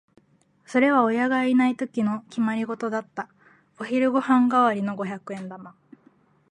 それは親がいないときの決まりごとだった。お昼ご飯代わりの五百円玉。